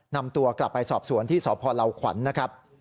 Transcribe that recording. นำตัวกลับไปสอบสวนที่สพลาวขวัญนะครับ